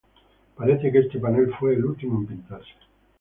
Parece que este panel fue el último en pintarse.